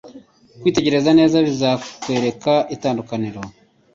Kwitegereza neza bizakwereka itandukaniro.